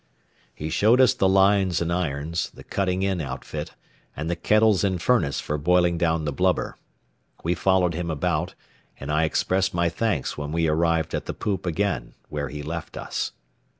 He showed us the lines and irons, the cutting in outfit, and the kettles and furnace for boiling down the blubber. We followed him about, and I expressed my thanks when we arrived at the poop again, where he left us.